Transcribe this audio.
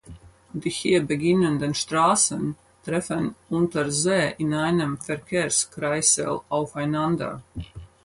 Die hier beginnenden Straßen treffen unter See in einem Verkehrskreisel aufeinander.